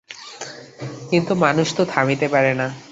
কিন্তু মানুষ তো থামিতে পারে না।